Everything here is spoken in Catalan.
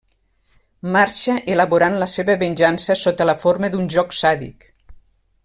Marxa elaborant la seva venjança sota la forma d'un joc sàdic.